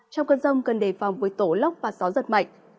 trong cơn rông cần đề phòng với tổ lốc và gió giật mạnh